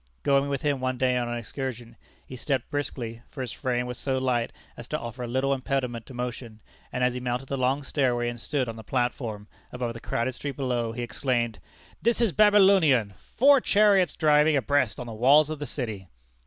Going with him one day on an excursion, he stepped briskly (for his frame was so light as to offer little impediment to motion), and as he mounted the long stairway, and stood on the platform above the crowded street below, he exclaimed, "This is Babylonian! Four chariots driving abreast on the walls of the city!"